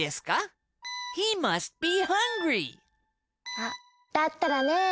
あっだったらねぇ。